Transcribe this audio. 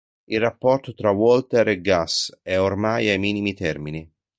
Il rapporto tra Walter e Gus è ormai ai minimi termini.